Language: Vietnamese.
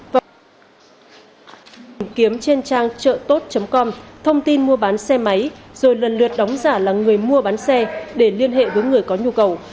các đối tượng đã kiếm kiếm trên trang trợtốt com thông tin mua bán xe máy rồi lần lượt đóng giả là người mua bán xe để liên hệ với người có nhu cầu